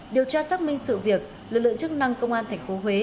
điều tra xác minh sự việc lực lượng chức năng công an thành phố huế